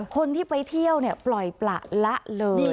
คนที่ไปเที่ยวปล่อยประละเลย